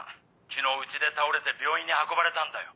昨日うちで倒れて病院に運ばれたんだよ。